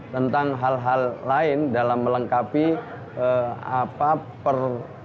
tentang hal hal lain dalam melengkapi apa per